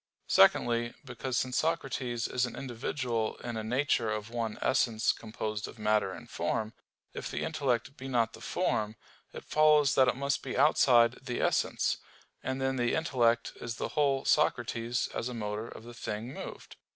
Secondly, because since Socrates is an individual in a nature of one essence composed of matter and form, if the intellect be not the form, it follows that it must be outside the essence, and then the intellect is the whole Socrates as a motor to the thing moved.